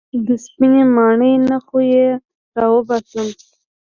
د سپينې ماڼۍ نه خو يې راوباسمه.